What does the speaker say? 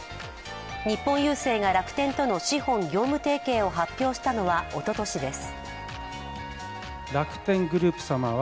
日本郵政が楽天との資本業務提携を発表したのはおととしです。